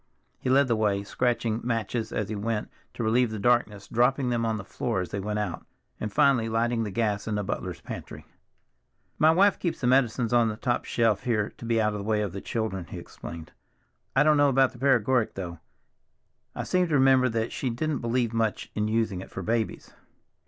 He led the way, scratching matches as he went to relieve the darkness, dropping them on the floor as they went out, and finally lighting the gas in the butler's pantry. "My wife keeps the medicines on the top shelf here to be out of the way of the children," he explained. "I don't know about the paregoric, though. I seem to remember that she didn't believe much in using it for babies."